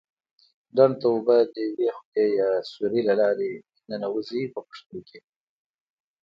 ډنډ ته اوبه د یوې خولې یا سوري له لارې ننوزي په پښتو کې.